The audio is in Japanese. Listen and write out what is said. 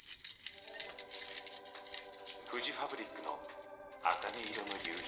フジファブリックの「茜色の夕日」。